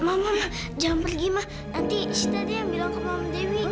mama jangan pergi mah nanti sita dia yang bilang ke mama dewi